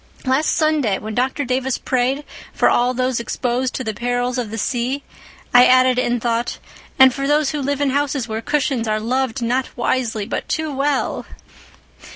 Last Sunday, when Dr. Davis prayed for all those exposed to the perils of the sea, I added in thought 'and for all those who live in houses where cushions are loved not wisely but too well!